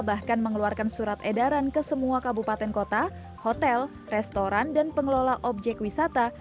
bahkan mengeluarkan surat edaran ke semua kabupaten kota hotel restoran dan pengelola objek wisata